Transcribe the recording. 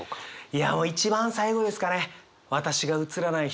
いや一番最後ですかね。